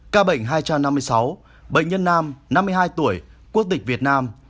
ca bệnh hai trăm năm mươi sáu bệnh nhân nam năm mươi hai tuổi quốc tịch việt nam